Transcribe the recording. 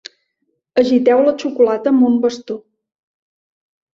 Agiteu la xocolata amb un bastó.